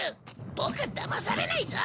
ボクはだまされないぞ！